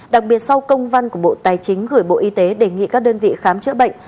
đặc biệt sau công văn của bộ tài chính gửi bộ y tế đề nghị các đơn vị khám chữa bệnh